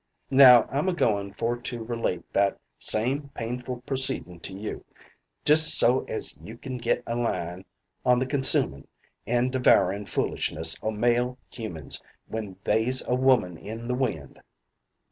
"Now, I'm a goin' for to relate that same painful proceedin' to you, just so as you kin get a line on the consumin' and devourin' foolishness o' male humans when they's a woman in the wind.